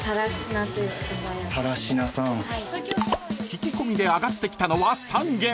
［聞き込みで挙がってきたのは３軒］